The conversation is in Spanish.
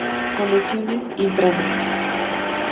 Conexiones intranet.